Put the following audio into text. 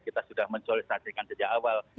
kita sudah mensualisasikan sejak awal